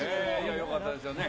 よかったですね。